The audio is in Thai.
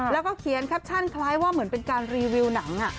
แล้วก็เขียนแคปชั่นคล้ายว่าเหมือนเป็นการรีวิวหนัง